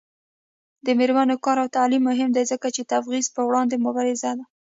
د میرمنو کار او تعلیم مهم دی ځکه چې تبعیض پر وړاندې مبارزه ده.